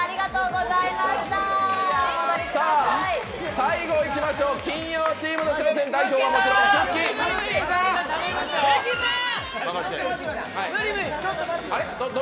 最後いきましょう金曜チーム代表はもちろんくっきー！。